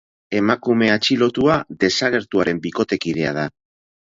Emakume atxilotua desagertuaren bikotekidea da.